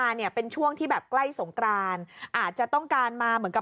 ทางผู้ชมพอเห็นแบบนี้นะทางผู้ชมพอเห็นแบบนี้นะ